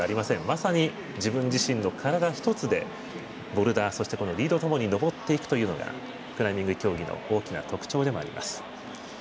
まさに、自分自身の体一つでボルダー、そしてリードともに登っていくというのがクライミング競技の大きな特徴でもあります。